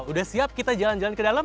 udah siap kita jalan jalan ke dalam